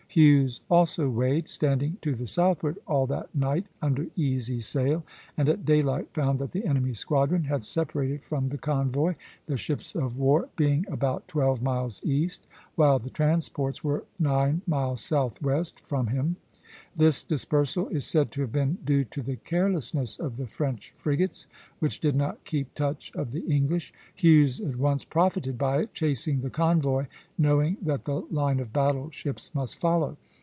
Hughes also weighed, standing to the southward all that night under easy sail, and at daylight found that the enemy's squadron had separated from the convoy, the ships of war being about twelve miles east, while the transports were nine miles southwest, from him (Plate XIV. A, A). This dispersal is said to have been due to the carelessness of the French frigates, which did not keep touch of the English. Hughes at once profited by it, chasing the convoy (c), knowing that the line of battle ships must follow.